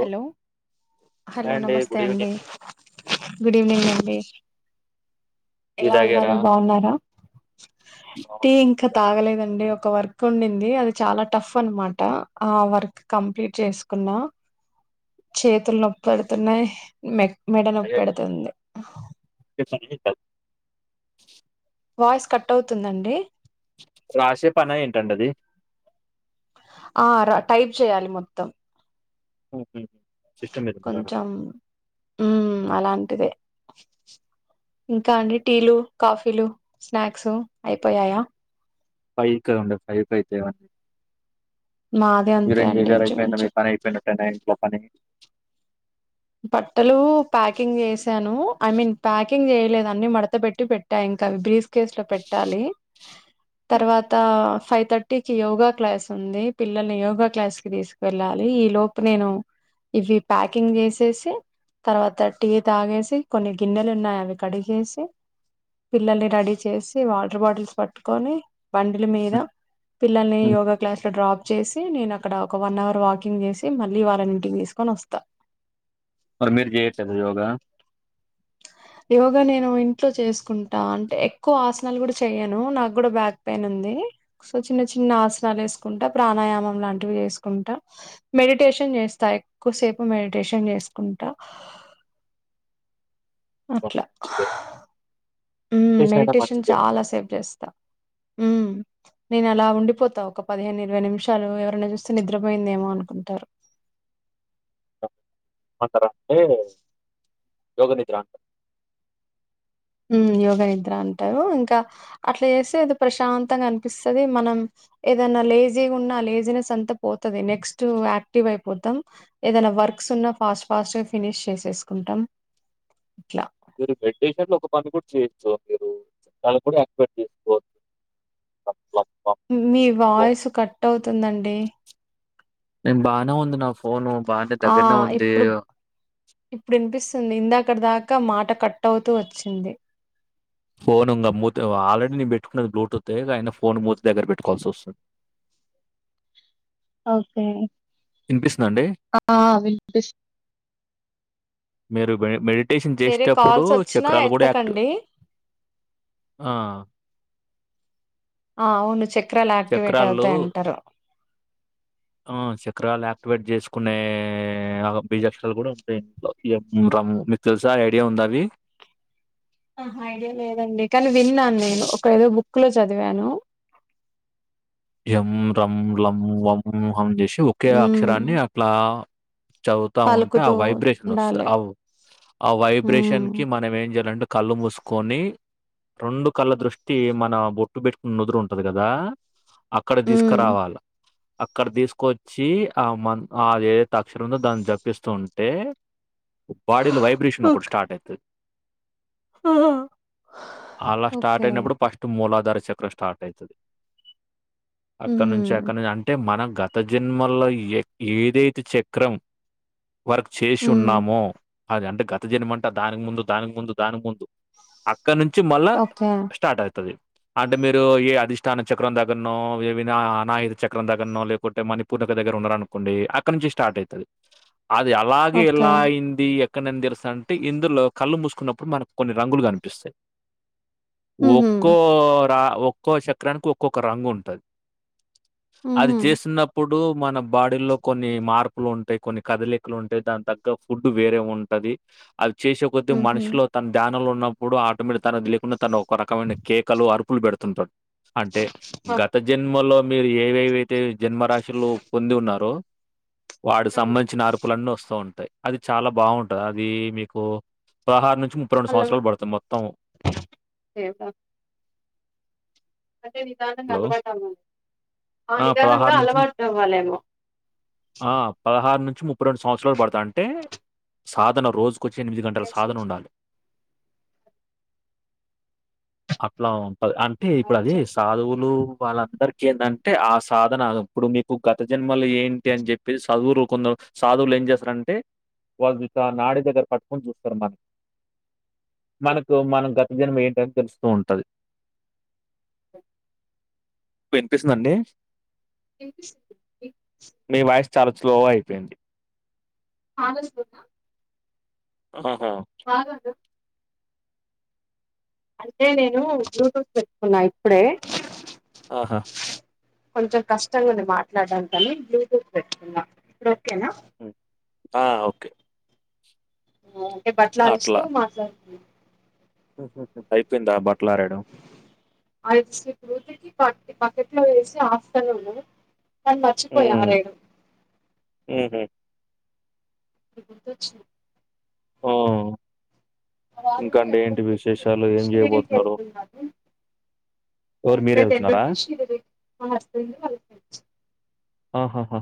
Hello! Hi hello అండి నమస్తే good అండి ఈవినింగ్ గుడ్ ఈవెనింగ్ అండి. టీ ఎలా తాగారా ఉన్నారు బాగున్నారా టీ అవునా. ఇంకా తాగలేదండి. ఒ ఒక వర్క్ ఉండింది అది చాలా టఫ్ అన్మాట. ఆ వర్క్ కంప్లీట్ చేస్కున్నా. చేతుల్ నొప్పెడుతున్నాయ్ మె మెడ అయ్యో, నొప్పెడుతుంది. రాసే పని ఏంటది? వాయిస్ కట్టవుతుందండి. రాసే పనా ఏంటండది ఆ రా టైప్ చేయాలి మొత్తం. ఓకే సిస్టమ్ నేర్చుకున్నారా కొంచెం మ్మ్ అలాంటిదే ఇంకా అండి టీలు, కాఫీలు, స్నాక్సు అయిపోయాయా? ఫైకా ఉండ ఫైపైకే అవన్నీ మాది అంతే అండి ఇంచుమించు [unintelligible] మీ పనైపోయినట్టే నా ఇంట్లో పని బట్టలు ప్యాకింగ్ జేసాను. ఐ మీన్ ప్యాకింగ్ చేయలేదండి మడత పెట్టి పెట్టా ఇం క అవి బ్రీస్ కేస్లో పెట్టాలి. హ్మ్, తర్వాత ఫైవ్ థర్టీకిి యోగా క్లాస్ ఉంది పిల్లల్ని యోగా క్లాస్కి తీస్కు వెెళ్ళాలి. ఈ లోపు నేను ఇవి ప్యాకింగ్ చేస్ సి తర్వాత టీ తాగేసి కొన్ని గిన్నెలున్నాయ్ అవి కడిగేసి పిల్లల్ని రెడీ చేసి వాటర్ బాటిల్స్ పట్టుకొని బండిల మీద హ్మ్, పిల్లల్ని హ్మ్. యోగా క్లాస్లో డ్రాప్ చేసి నేనక్కడ ఒక వన్ అవర్ వాకింగ్ చేసి మళ్ళీ వాళ్ళన్ ఇంటికి తీస్కోన్ వస్తా. మరి మీర్ చేయట్లేదా యోగా యోగా నేను ఇంట్లో చేసుకుంటా అంటే ఎక్కు ఆస నాలు గుడ చేయను నాక్ గుడా బ్యాక్ పెయిన్ ఉంది. సో చిన్న చిన్న ఆసనాల్ ఏస్కుంటే ప్రాణాయామం అలాంటివి ఏస్కుంటా. మెడిటేషన్ చేస్తా ఎక్కుసేపు మెడిటేషన్ చేస్కుంటా. నా ఓకే, అట్ల మంచిదే మ్ అయినా మెడిటేషన్ మంచిదే చాలా సేఫ్ చేస్తా. నేన్ అలా ఉండిపోతా ఒక పదిహేన్ ఇరవై నిమిషాలు ఎవరన్న చూస్తే నిద్రపోయిందేమో అనుకుంటారు. పోతరా అండి యోగ నిద్రా మ్ యోగ నిద్రా అంటారు. ఇంక అట్లా చేస్తే అది ప్రశాంతంగ అన్పిస్తది మనం ఏదన లేజీగున్న లేజీనెస్ అంతా పోతది నెక్స్ట్ యాక్టివ్ అయిపోతం ఏదన్న వర్క్స్ ఉన్నా ఫాస్ట్ ఫాస్ట్గా ఫినిష్ చేసేస్కుంటాం. మీరు బెడ్డీషట్లొ ఒక పాట్ట్ గుడ్ చేచ్చు మిరు [unintelligible] టాల్ గూడ్యాక్టివేట్ జేస్కో [unintelligible] ఉమ్ మి వాయ్స్ కట్టవ్తుందండి. నేన్ బానే ఉంది న ఫోనూ బానే ఆ! దగ్గర్నే ఉంది. తుంది ఇందాకడ్ దాక మాట కట్టవ్తూ వచ్చింది. ఫోనుంగ మూత్ ఆల్రెడి నేన్ బెట్టుకున్నది బ్లూటూత్తే ఇగైనా ఫోన్ మూతి దగ్గర బెట్టుకోవాల్సొస్తుంద్ ఒకే ఇనిపిస్తుందండి? ఆ విన్పిస్ మీరు బె మెడిట్ టేషన్ చేష్టప్పుడూ కాల్స్ వచ్చినా చక్రాలు గూడా యాక్ట్ ఎత్తకండి. ఆ ఆ ఔను చక్రాల్లో చక్రాల్యాక్టివేటవ్తయంటరు. ఆ చక్రాల్యాక్టివేట్ జేస్కునే అ బీజక్షరాల్ గూడుంటయింట్లొ యమ్ రమ్ మిక్ తెల్సా ఐడియా ఉందవి అహ్ ఐడియా లేదండి కాని విన్నాన్ నేను ఒక ఎదొ బుక్క్ లో చదివాను ఎం రం లం వం హం జేషి ఒకే మ్మ్ అక్షరాన్ని అట్లా చదువ్తా ఉంటె ఆ పలుకుతూ వైబ్రేషనొస్తద్ ఉండాలి అవ్ అ వైబ్రేషన్ కి మ్మ్ మనమేం జెయ్లంటె కళ్ళు మూస్కోని రొండు కళ్ళ దృష్టీ మన బొట్టు బెట్టుకున్ నుదురుంటది గదా అక్కడ మ్మ్ దీస్కరావాల అక్కడ దీస్కొచ్చీ ఆమన్ ఆదేదైత్ అక్షరుందొ దాన్ జపిస్తూంటే బాడీలొ వైబ్రేషనొకటి ఓకే స్టాటైతద్ ఆ అలా ఓకే స్టాటైనప్పుడు పస్ట్ మూలాద్ దరచక్ర స్టాటైతది అక్కడ్నుంచి మ్మ్ అక్కడ్నుంచి అంటె మనగ్ గత జన్మల్ల ఎయ్ ఏదైతె చక్రం వర్క్ మ్మ్ చేషున్నామొ అది అంటె గతజన్మంటె దానిక్ ముందు దానిక్ ముందు దానిక్ ముందు అక్ క్కన్నుంచి మళ్ళ ఓకే స్టాటైతది అంటె మీరూ ఏ అధిష్టాన చక్రం ద గ్గర్నో వెవినా అనాయక చక్రం దగ్గర్నో లేకుంటె మణిపూర్ణిక దగ్గరున్నరన్కోండి అక్కడ్నుంచి స్టాటైతది. అది అలాగే ఓకే ఎలా అయింది ఎక్కనేన్ దెర్సంటె ఇందులొ కళ్ళు మూస్కున్నప్పుడు మనక్ కొన్ని రంగులు గన్పిస్తాయ్ మ్మ్ ఒక్కో రా ఒక్కో షక్రానికి ఒక్కొక్క రంగుంటద్. మ్మ్ అది చేసిన్నప్పుడ్ డూ మన బాడిల్లొ కొన్నీ మార్పులుంటయ్ కొన్ని కదలికలుంటయ్ దాన్ తగ్గ ఫుడ్డు వేరే ఉంటది. ఇ అవ్ చేషే కొద్ది మ్మ్ మన్షిలో తన్ ధ్యానంలొ ఉన్నప్పుడు ఆటోమెట్ తనద్ లేకుండ తను ఒకరకమైన కేకలు అరుపులు పెడుతుంటాడ్. గతజన్మలొ మీరు ఏవేవైతె జన్మరాశిలు పొంది ఉన్నారొ వాడు సంబంచిన అరుపులన్నొస్తూ ఉంటయ్. అది చాలా బాగుంటద్ అదీ మీకు పదహార్ ను ముప్పైరొండు అలవా సంవత్సరాల్ బడ్త మొత్తం దేవుడా అంటె నిదానంగా హలో! అలవాటవ్వాలి ఆ నిదానంగా నుంచి ము అలవాటవ్వాలేమొ ఆ నుంచి ముప్పై రొండు సంవత్సరాల్ బడ్తా అంటే సాధన రోజుకొచ్చి ఎనిమిది గంటల సాధనుండాలె అట్లా ఉంటది అంటే ఇప్పుడు అది స్ సాధువులు వాళ్ళందరికేందంటే ఆ సాధన ఇప్పుడు మీకు గత జన్మలో ఏంటి అని చెప్పేస్ సదువురు కొందరు సాధువులు ఏం చేస్తారంటే వాళ్ళు వికా నాడి దగ్గర పట్టుకొని చూస్తారు మన్ మనకు మన గత జన్మ ఏంటని తెలుస్తూ ఉంటది వినిపిస్తుంద అండి వినిపిస్తుంది వినిపిస్ మీ వాయిస్ చాలా స్లోగా అయిపోయింది ఆ రోజు కున్న అహ అంటే నేను బ్లూటూత్ పెట్టుకున్నా ఇప్పుడే ఆహా కొంచెం కష్టంగా ఉంది మాట్లాడానికని బ్లూటూత్ పెట్టుకున్న ఇప్పుడు ఓకేనా మ్ ఆ ఓకే ఆ అంటే బట్టలారేస్తు మాట్లాడుతున్న అయ్యిపోయిందా బ ఐదు [unintelligible] పట్టి బకెట్లో ఏసి ఆఫ్టర్నూను కానీ మర్చిపోయా హ్మ్. ఆరేయడం హుహు. ఇప్పుడు గుర్తొచ్చింది ఓ మ డాడీ [unintelligible] ఏం జేయబోతున్నారు? షిరిడీకేళ్తున్నారు మా ఎవరు హస్బెండ్ మీరెళ్తున్నారా? ఎల్లుండి షిరిడీ మా హుస్బండు వాళ్ళ ఫ్రెండ్స్ ఆహహహ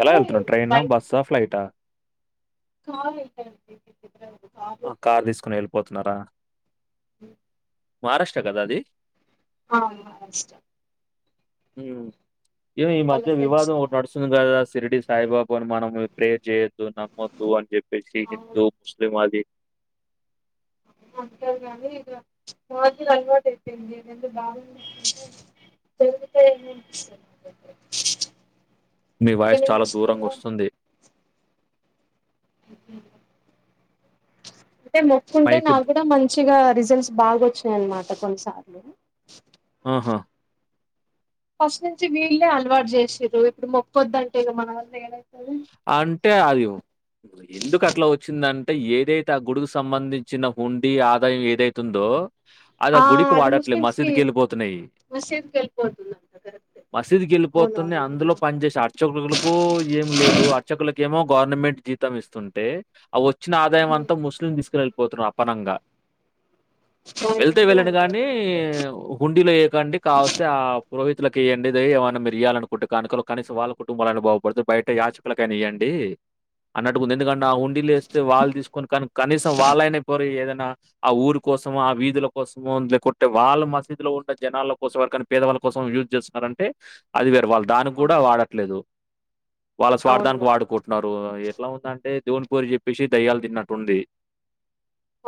ఎలా వెళ్తున్నాడ్ ట్రైనా బయట బస్సా ఫ్లైటా కార్ [unintelligible] అండీ ఆ కార్ తీసుకొని వెళ్ళిపోతున్నారా మహారాష్ట్ర కదా అది అవును మహారాష్ట్ర మ్ ఏమో ఈ వాళ్ళ మధ్య ఫ్రెండ్స్ వివాదం ఒకటి నడుస్తుంది కదా సిరిడి సాయిబాబ్ కొని మనము ప్రేర్ చేయొద్దు నమ్మొద్దు అని చెప్పేసి అవును హిందూ ముస్లిం అది అంటారు కని ఇగ రోజు అలవాటు అయ్యిపోయింది ఎందుకు [inaudible] [inaudible] మీ వాయస్ చాలా దూరంగోస్తుంది అంటే మొక్కుంటే మైకు నాకు ద్ కూడా మంచిగా రిజల్ట్స్ బాగా వచ్చినాయి అనమాట కొన్నిసార్లు ఆహా ఫస్ట్ నుంచి వీళ్ళే అలవాటు చేసిర్రు ఇప్పుడు మొక్కొద్ధంటే ఇగ మన వల్ల ఏడై అంటే అది ఎందుకట్లా వచ్చిందం టే ఏదైతే ఆ గుడికు సంబంధించిన హుండి ఆదాయం ఏదైతుందో అది ఆ గుడికి అది వాడట్లే ముస్లిమ్స్ కి మసీదికేళ్ళిపోతున్నాయి మసీద్ కి వెళ్ళిపోతుందంట కరెక్టే మసీద్కి అవునవును వెళ్లిపోతున్నాయి అందులో పనిచేసె అర్చకులకు ఏం లే అక్షకులకేమో గవర్నమెంట్ జీతం ఇస్తుంటే అ వచ్చిన ఆదాయం అంతా ముస్లిం తీసుకోని వెల్ పోతున్న అపనంగా వెళ్తే వెళ్ళండి నిజమే గానీ హుండీలో వేయకండి కావస్తే ఆ పురోహితులకియండి ఏమన్నా మీరు ఇయాలనుకుంటే కానుకలు కనీసం వాళ్ళ కుటుంబాలన్న బాగుపడుతయ్ బయట య కుల కైనా ఇయ్యండి అన్నట్టుకుంది ఎందుకంటే ఆ హండీలేస్తే వాళ్ళు తీసుకొని కానీ కనీసం వాళ్ళైనా పోరి ఏదైనా ఆ ఊరుకొ. కోసం ఆ వీధుల కోసం లేకుంటే వాళ్ళ మసీదు లో ఉన్న జనాలల్లో కోసం ఎవరికైనా పేదవాళ్ళ కోసం యూజ్ చేస్తున్నారాని. అంటే అది వేరు వాళ్ళు. దానికి కూడా అవును వాడట్లేదు వాళ్ళా అవును స్వార్థానికి మరి వాడుకుంటున్నారు ఎట్లా ఉందంటే. అంటే దేవుని పేరు చెప్పేసి దయ్యాలు తిన్నట్టుంది.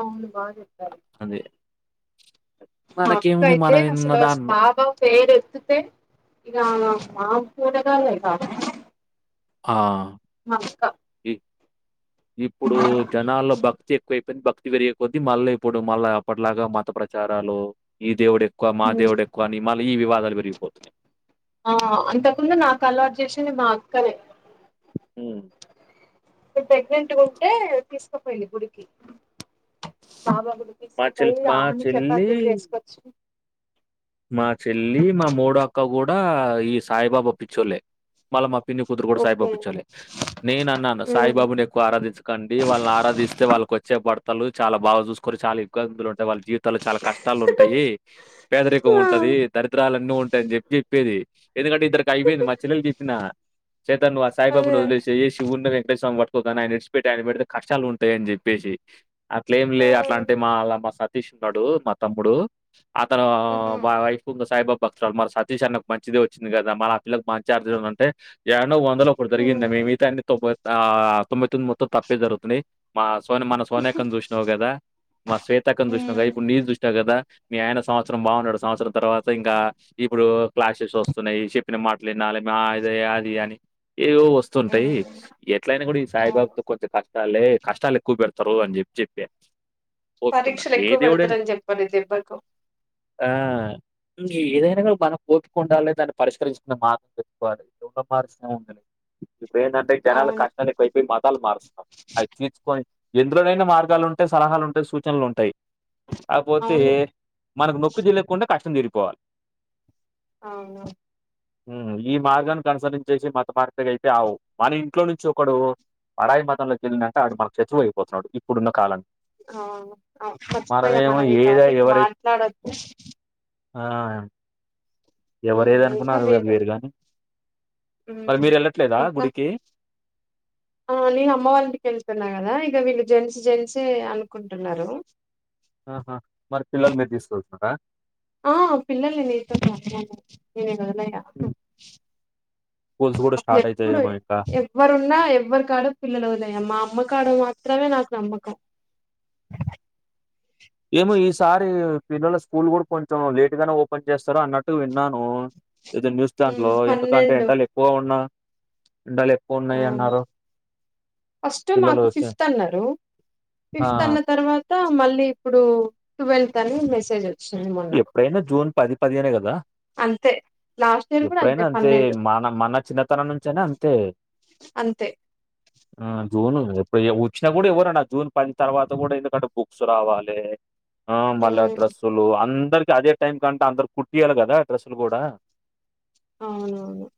అవును బాగా చెప్పారు. అది మా అక్క మనకేముంది అయితే మనం ఉన్న అసలు దాన్లో బాబా పేరు ఎత్తుతే. ఇగ మాకు కూడా కావాలి బాబా. ఆహ్ ఇప్పుడు జనాల్లో భక్తి ఎక్కువై పో. భక్తి పెరిగే కొద్దీ మళ్ళీ ఇప్పుడు మళ్ళా ఎప్పట్లాగా మత ప్రచారాలు ఈ దేవుడు ఎక్. ఎక్కువ మా దేవుడు ఎక్కువ అని మళ్ళీ ఈ వివాదాలు పెరిగిపోతున్నాయి. ఆహ్ అంతకుముందు నాకు అలవాటు చేసింది మా అక్కలే. ఉమ్. నేను ప్రెగ్నెంట్గా ఉంటే తీసుకుపోయింది గుడికి బాబా గుడి. మా చెల్ తీసుకుపోయి మా ఆమెనే చెల్లి చపాతీలు చేసుకోచ్చింది. మా చెల్లి మా మూడో అక్క కూడా ఈ సాయిబాబా పిచ్చోళ్లే మళ్ళ మా పిన్ని కుతురు కూడా సాయిబాబు ఓకే పిచ్చొలే నేను అన్నాను ఉమ్ సాయిబాబుని ఎక్కువ ఆరాధించకండి వాళ్ళని ఆరాధిస్తే వాళ్ళు. కొచ్చే పడు. చాలా బాగా చూసుకొని చాలా ఇబ్బందులు ఉంటాయి వాళ్ళ జీవితాలు చాలా కష్టాలు ఉంటాయి పేదరికం. ఆ ఉంటది దరిద్రాలు అన్నీ ఉంటాయని చెప్పి చెప్పేది. ఎందుకంటే ఇద్దరికి అయిపోయింది మా చెల్లెలు చెప్పినా తన్ను ఆ సాయిబాబను అదే వదిలేసై శివుని. ఇట్టా సం పట్టుకోకు అని ఆయన నిడిచిట్టి ఆయన పెడితే కష్టాలు ఉంటాయని చెప్పేసి. అట్ల ఏం ఆ లే అట్లా అంటే మా మా సతీష్ ఉన్నాడు మా తమ్ముడు అతను. ఉహు వాడి వైఫ్ కూడ సాయిబాబ భక్తురాలు మా సతీష్ అన్నకు మంచిదే వచ్చింది కదా మాళ్ళ ఆ పిల్లకి మంచి చార్జీలు ఉందంటే. ఏడనో వందలో ఒకటి జరిగిందిదాది ఉమ్. మిగతావన్నీ తొంభై ఆహ్ తొంభై తొమ్మిది మొత్తం తప్పే జరుగుతున్నాయి మా. సోని మన సోనాక్కను చూషీనావు కదా మా శ్వేతక్కను చూసిన కద ఉమ్. ఇప్పుడు నీదీ చూసినవ్ కదా. మీ ఆయన సంవత్సరం బాగున్నాడు. సంవత్సరం తర్వాత ఇంకా ఇప్పుడు క్లాసెస్ వస్తున్నాయి చెప్పిన మాటలు వినాలి మాదే అది అని. ఏవో వస్తుంటాయి ఉమ్. ఎట్లైయినా కూడా ఈ అవును సాయిబాబుతో కొంచెం కష్టం. కష్టాలు కష్టాలు ఎక్కువబెడతారు అని చెప్పి చెప్ప పరీక్షలు ఎక్కువ పెడతారని చెప్పారు ఈ దెబ్బకు. ఆహ్. ఏదైనా కూడా మనం ఓపిక ఉండాలే దాన్ని పరిష్కరించుకొనే మార్గం తెప్పుకోవాలి ఎ మార్సును ఉండాలి ఇప్పుడు ఏందంటే జనాలు అవును కష్టాలు ఎక్కువ అయిపోయి మతాలు మారుస్తాం అవి తిర్చుకొని. ఎందులోనైనా మార్గాలు ఉంటాయి సలహాలు ఉంటాయి సూచనలు ఉంటాయి కాకపోతే. అవును మనకు నొప్పి తెలవకుండా కష్టం తీరిపోవాలి అవును. ఉమ్ ఈ మార్గాన్ని అనుసరించేసి మతమార్పిడి అయితే ఆవు మన ఇంట్లో నుంచి ఒకడు. పరాయి మతంలోకేళ్ళిండంటే ఆహ్ వాడు మనకు శతువు అయిపోతన్నాడు ఇప్పుడున్న కాలానికి. అవును మర్చిపోయా మనమేమో మనం ఈ ఏదై టాపిక్ మాట్లాడొద్దు. ఆహ్. ఎవరు ఉమ్, ఏది అనుకున్న ఇంకా అది వేరే వేరు గాని. మరి మీరేళ్ళట్లేదా గుడికి. ఓన్లీ మా అమ్మ వాళ్ళ ఇంటికి వెళ్తున్నాను కదా ఇగ వీళ్ళు. జెన్స్ జెన్సే అనుకుంటున్నారు. ఆహా మరి పిల్లలు మీరు తీసుకువెళ్తున్నారా ఆ పిల్లలు నేనత ననుడుదలయ హ్మ్. స్కూల్స్ గూడా అసలు స్టార్ట్ ఎప్పుడు అయితాయేమో ఇంకా. ఎవ్వరున్నా ఎవ్వరు కాడు పిల్లలు ఉదయం మా అమ్మ కాడ మాత్రమే నాకు నమ్మకం ఏమో ఈసారి పిల్లల స్కూల్ కూడా కొంచెం లేటుగానే ఓపెన్ చేస్తారు అన్నట్టు విన్నాను. ఏదో న్యూస్థాన్ లో ఉమ్, ఎందుకంటే పన్నెండు ఎండలు ఎక్కువ ఉన్నా ఎండలు పొన్నయ్ అవును అన్నారు ఫస్ట్ పిల్లలు మాకు చ ఫిఫ్త్ అన్నారు ఆ! ఫిఫ్త్ అన్న తర్వా మళ్ళీ ఇప్పుడు ట్వెల్త్ అని మెసేజ్ వచ్చింది మొన్న ఎప్పుడైనా జూన్ పది పదిహేనే కదా అంతే లాస్ట్ ఇయర్ కూడా ఎప్పుడైనా అంతే పన్నెండు మన మన చిన్నతనం నుంచయినా అంతే అంతే ఆ జూన్ ఎప్పుడు వచ్చినా కూడా ఎవ్వరండి ఆ జూన్ పది తర్వాత కూడా ఎందుకంటే బుక్స్ రావాలి ఆ మల్ల ఉమ్ డ్రస్సులు అందరికి అదే టైం కంటే అందరు కుట్టియాలి కదా డ్రస్సులు కూడా అవునవును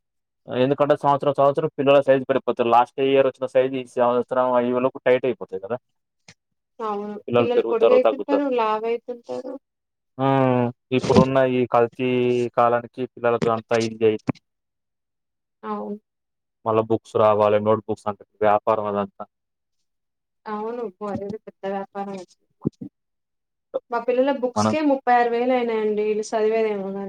ఎందుకంటే సంవత్సరం సంవత్సరం పిల్ల సైజ్ పడిపోతురు లాస్ట్ ఇయర్ వచ్చిన సైజ్ ఈ సంవత్సరం ఈ వరకు టైట్ అయింది పోతే కదా అవును పిల్లలు పొడుగు అయితుంటారు లావ అయితుంటారు ఆ ఇప్పుడున్న ఈ కల్తీ కాలానికి పిల్లలలకు అంత ఇలేదు అవు మళ్ళా బుక్స్ రావాలి నోట్బుక్స్ అంత వ్యాపారం అదంతా అవును బ పెద్ద వ్యాపారమే మా పిల్లల మనం బుక్స్కే ముప్పై ఆరు వేలు అయినాయండి ఇంగ చదివేది ఏమున్న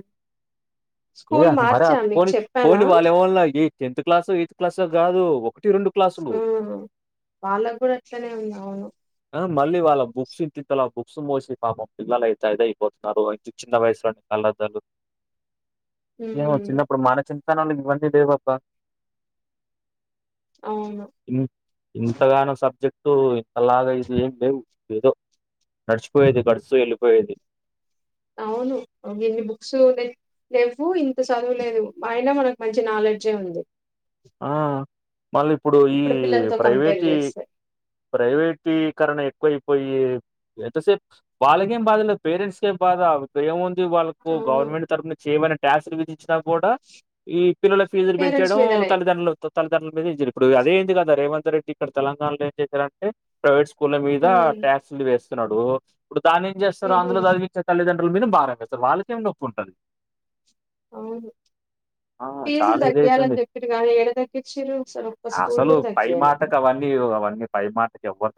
ఏ మరి ఫోన్ ఫోన్ వాళ్ళు ఏమన్నా నీ టెన్త్ క్లాస్ ఎయిత్ క్లాస్ కాదు ఒకటి ఆ వాళ్ళకు కూడా అట్లనే ఉంది అవును మళ్ళీ వాళ్ళ బుక్స్ ఇంతింతలా బుక్స్ మోసి పాపమ్ పిల్లలయితే అది అయిపోతున్నారు చిన్న వయసులో అలా తగు ఏమో ఉమ్ చిన్నప్పుడు మన చింతనోళ్లకి ఇవన్నీ దేవబా అవును ఇం ఇంతగానో సబ్జెక్టు ఇంతలాగా ఇంకా ఇది ఏం మేం ఏదో నడిచిపోయేది గడుస్తూ వెళ్ళిపోయేది అవును ఇన్ని బుక్స్ లేవు ఇంత చదువులేదు ఆయన మనకు మంచి నాలెడ్జే ఉంది. ఆ మళ్ళీ ఇప్పుడు ఈ పిల్లలతో కంపేర్ ప్రైవేటీ చేస్తే ప్రైవేట్ టీకరణ ఎక్కువైపోయి ఎంతసేప్ వాళ్ళకేం బాధ లేదు పేరెంట్స్కే బాధ ఏమున్ వాళ్ళకు అవును గవర్నమెంట్ తరఫున చేయమని ట్యాక్స్ ఇచ్చిన కూడా ఈ పిల్లల ఫీజులు పేరెంట్స్ పెంచేయడం మీదనే తల్లిదండ్రుల మీదే ఇది చేయరు ఇప్పుడు అదే ఏంది కదా రేవంత్ రెడ్డి ఇక్కడ తెలంగాణలో ఏం చేశారంటే ప్రైవేట్ సు స్కూల్ల మీద ఉమ్ ట్యాక్స్లు వేస్తున్నాడు ఇప్పుడు దాని ఏం చేస్తారు ఉహు అందులో చదివించే తల్లిదండ్రులు మీద బారం వేస్తారు వాళ్ళకేం గొప్ప ఉంటది అవును ఆ ఫీజులు చాలా తగ్గియాలని ఇదయితుంది చెప్పిరు కానీ ఏడ తగ్గించిరు అసలు ఒక్క స్కూల్ అసలు కూడా పై తగ్గియాలే మాటక అవన్నీ అవన్నీ పై మాటకి ఎవ్వ